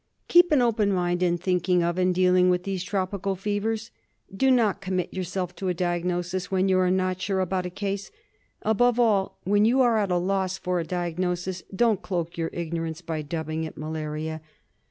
Keep an open mind in thinking of and dealing with these tropical fevers. Do not commit yourself to a diagnosis when you are not sure about a case ; above all, when you are at a loss for a diagnosis don't cloak your ignorance by dubbing it malaria.